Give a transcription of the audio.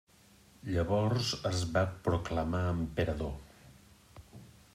Llavors es va proclamar emperador.